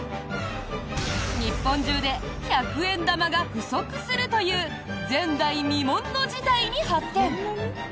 日本中で百円玉が不足するという前代未聞の事態に発展！